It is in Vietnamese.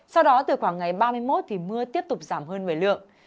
sau đó từ khoảng ngày ba mươi một thì mưa tiếp tục giảm hơn về lượng